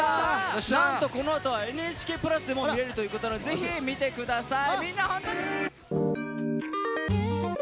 なんとこのあとは「ＮＨＫプラス」でも見れるということなのでぜひ見てください。